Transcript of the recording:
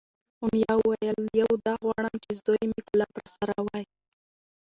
امیه وویل: یو دا غواړم چې زوی مې کلاب راسره وی،